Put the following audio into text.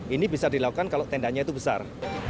ini bisa dilakukan kalau tendanya itu besar